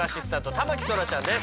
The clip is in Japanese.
田牧そらちゃんです。